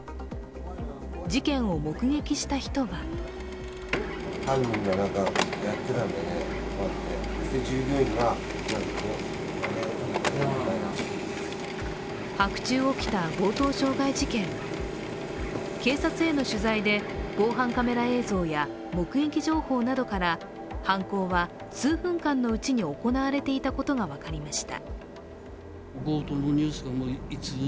事件を目撃した人は白昼起きた強盗傷害事件、警察への取材で防犯カメラ映像や目撃情報などから犯行は数分間のうちに行われていたことが分かりました。